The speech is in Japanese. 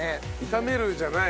炒めるじゃない。